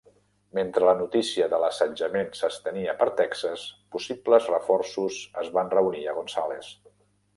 Mentre la notícia de l'assetjament s'estenia per Texas, possibles reforços es van reunir a Gonzales.